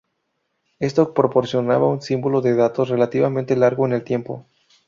Esto proporcionaba un símbolo de datos relativamente largo en el tiempo.